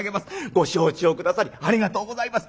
「ご承知を下さりありがとうございます。